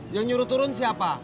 yang nyuruh turun siapa